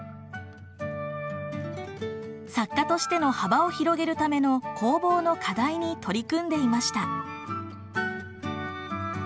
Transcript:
作家としての幅を広げるための工房の課題に取り組んでいました。